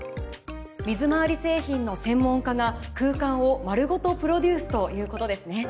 水まわり製品の専門家が空間を丸ごとプロデュースということですね。